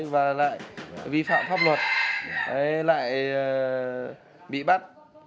và lại vi phạm pháp luật lại bị bắt